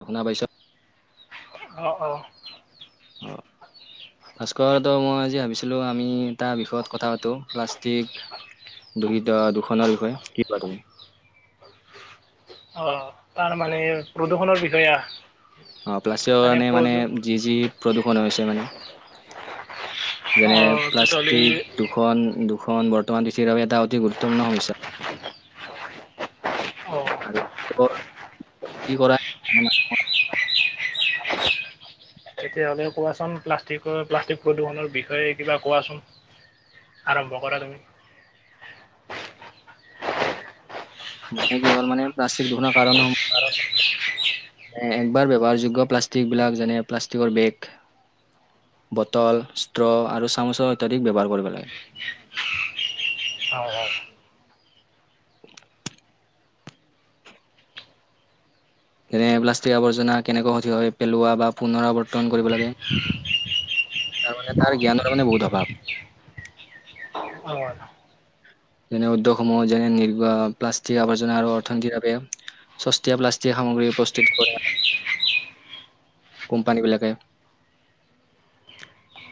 শুনা পাইছ? অ', অ। ভাস্কৰহতে মই আজি ভাবিছিলো আমি এটা বিষয়ত কথা পাতো প্লাষ্টিক দুষিত দুখনৰ বিষয়ে, কি কোৱা তুমি? অ', তাৰ মানে প্ৰদূৰ্ষণৰ বিষয় আ অ', প্লাষ্টিকৰ কাৰণে মানে যি যি প্ৰদূষণ হৈছে মানে। যেনে অঁ তেতিয়াহ'লে প্লাষ্টিক দুখন দু খন বৰ্তমান পৃথিৱীৰ বাবে এটা অতি গুৰুত্বপূৰ্ণ সমস্যা। অঁ আৰু, কি কৰা মানে তেতিয়াহ'লে কোৱাচোন প্লাষ্টিকৰ প্লাষ্টিক প্ৰদূষণৰ বিষয়ে কিবা কোৱাচোন। আৰম্ভ কৰা তুমি। [unintelligible] মানে কি হল মানে প্লাষ্টিক দুুকান [unintelligible] একবাৰ ব্যৱহাৰযোগ্য প্লাষ্টিকবিলাক যেনে প্লাষ্টিকৰ বেগ। বটল ষ্ট্ৰ' আৰু চামুচৰ অত্যাধিক ব্যৱহাৰ কৰিব লাগে। অ', যেনে প্লাষ্টিক আৱৰ্জনা কেনেকৈ ক্ষতি হয় পেলোৱা বা পুনৰাবৰ্তন কৰিব লাগে। তাৰ মানে তাৰ জ্ঞানৰ মানে বহুত অভাৱ। অঁ অঁ যেনে উদ্যোগসমূহ যেনে [unintelligible] প্লাষ্টিক আৱৰ্জনা আৰু অৰ্থনীতি ভাবে সস্তীয়া প্লাষ্টিক সামগ্ৰী প্ৰস্তুত কৰে। কোম্পানীবিলাকে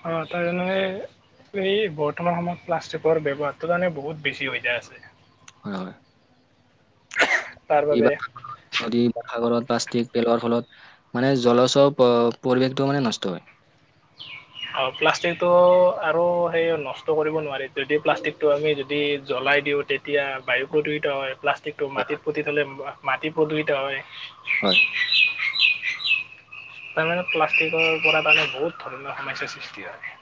অ', তাৰ এনে এই বৰ্তমান সময়ত প্লাষ্টিকৰ ব্যৱহাৰটো মানে বহুত বেছি হৈ যাই আছে। হয়। তাৰ বাবে [unintelligible] সাগৰত প্লাষ্টিক পেলোৱাৰ ফলত মানে জলচৰ প পৰিৱেশটো মানে নষ্ট হয়। [inaudible] অ প্লাষ্টিকটো আৰু সেই নষ্ট কৰিব নোৱাৰি যদি প্লাষ্টিকটো আমি যদি জ্বলাই ই দিওঁ তেতিয়া বায়ু প্ৰদূষিত হয় প্লাষ্টিকটো মাটিত পুতি থ'লে মাটি প্ৰদূষিত হয় হয় তাৰমানে প্লাষ্টিকৰ পৰা তানে বহুত ধৰণৰ সমস্যাৰ সৃষ্টি হয়।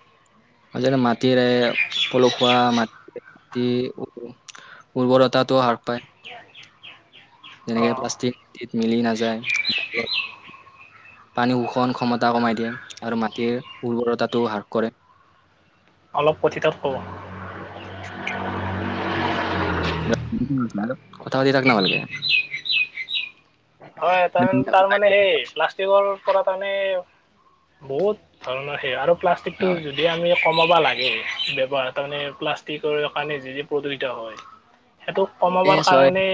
ম যেনে মাটিৰে পলসুৱা মাটি ৰাতি উ উৰ্বৰতাটো হ্ৰাস পায়। যেনেকে অ' প্লাষ্টিক মিলি নাযায়। পানী উুষন ক্ষমতা কমাই দিয়ে আৰু মাটিৰ উৰ্বৰতাটো হ্ৰাস কৰে। অলপ কথিতত কব কথা পাতি থাক না ভালকে হয় তাৰ তাৰ মানে সেই প্লাষ্টিকৰ পৰা তাৰমানে বহুত ধৰণৰ সেই আৰু প্লাষ্টিকটো হয় যদি আমি কম লাগে ব্যৱহাৰ কাৰণে প্লাষ্টিকৰ কাৰণে যি যি প্ৰদূষিত হয় সেইটো মানে কমাবৰ চয় কাৰণে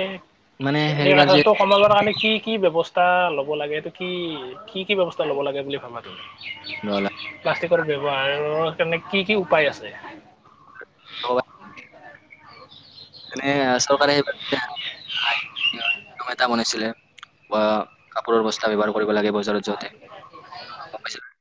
মানে এই সেইবাৰ যে আচটো কমাবৰ কাৰণে কি কি ব্যৱস্থা ল'ব লাগে সেটো কি কি কি ব্যৱস্থা ল'ব লাগে বুলি ভাবা তুমি গলা প্লাষ্টিকৰ ব্যৱহাৰৰ কাৰণে কি কি উপায় আছে অ মানে চৰকাৰে স [unintelligible] বনাইছিলে বা কাপোৰৰ বস্তা ব্যৱহাৰ কৰিব লাগে বজাৰত যাওঁতে গম পাইছা